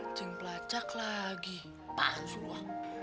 anjing pelacak lagi